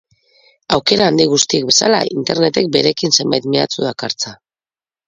Aukera handi guztiek bezala, Internetek berekin zenbait mehatxu dakartza.